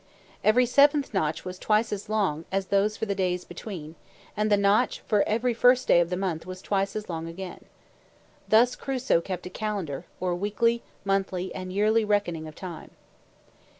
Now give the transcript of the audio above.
Every seventh notch was twice as long as those for the days between, and the notch for every first day of the month was twice as long again. Thus Crusoe kept a calendar, or weekly, monthly, and yearly reckoning of time.